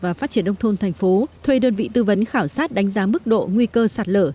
và phát triển đông thôn thành phố thuê đơn vị tư vấn khảo sát đánh giá mức độ nguy cơ sạt lở